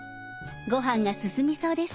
ご飯が進みそうです。